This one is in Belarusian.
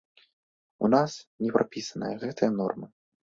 У нас не прапісаныя гэтыя нормы.